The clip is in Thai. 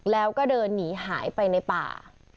แล้วก็เดินหนีหายไปในป่า